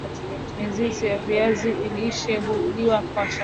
mizizi ya viazi lishe huliwa kama chakula